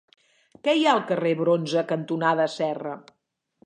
Què hi ha al carrer Bronze cantonada Serra?